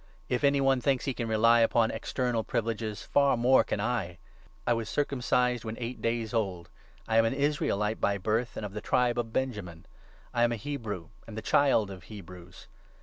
Tne If any one thinks he can rely upon external Apostle's privileges, far more can I ! I was circumcised 5 Experience, when eight days old ; I am an Israelite by race, and of the tribe of Benjamin ; I am a Hebrew, and the child of Hebrews.